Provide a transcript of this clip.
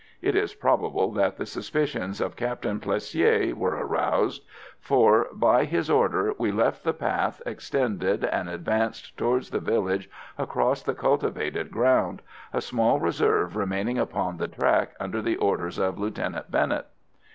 It is probable that the suspicions of Captain Plessier were aroused, for, by his orders, we left the path, extended and advanced towards the village across the cultivated ground; a small reserve remaining upon the track under the orders of Lieutenant Bennet.